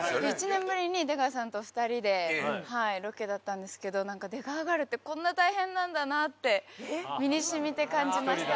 １年ぶりに出川さんと２人でロケだったんですけどなんか出川ガールってこんな大変なんだなって身に染みて感じました。